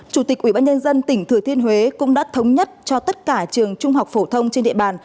chủ tịch ubnd tp hcm cũng đã thống nhất cho tất cả trường trung học phổ thông trên địa bàn